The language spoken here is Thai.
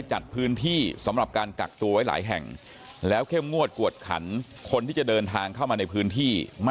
ใช่เป็นคุณที่นู่นแล้วก็ส่วนพ่อเป็นคนไทยก็จะถือคนชาติไทย